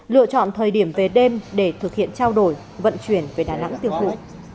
lựa chọn thời điểm về đêm để thực hiện trao đổi vận chuyển về đà nẵng tiêu thụ